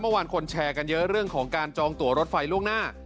เมื่อวานคนแชร์กันเยอะเรื่องของการจองตัวรถไฟล่วงหน้า